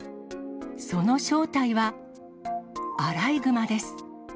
その正体はアライグマです。